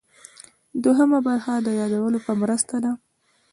دوهمه برخه د یادولو په مرسته ده.